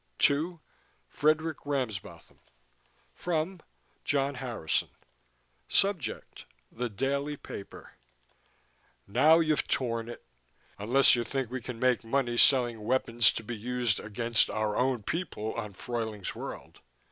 TO: Fredk. Ramsbotham FROM: John Harrison SUBJECT: The daily paper Now you've torn it. Unless you think we can make money selling weapons to be used against our own people on Fruyling's World.